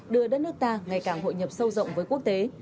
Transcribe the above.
đưa đất nước ta ngày càng hội nhập sâu rộng với quốc tế